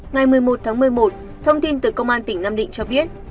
ngày một mươi một tháng một mươi một thông tin từ công an tỉnh nam định cho biết